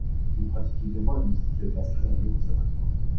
Il pratique également la musique et est inscrit dans deux conservatoires.